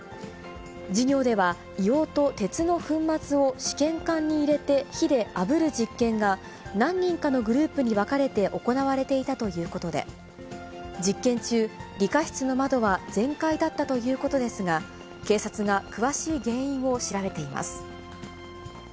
授業では硫黄と鉄の粉末を試験管に入れて火であぶる実験が、何人かのグループに分かれて行われていたということで、実験中、理科室の窓は全開だったということですが、警察が詳しい原因を調べています。